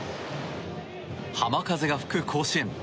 浜風が吹く甲子園。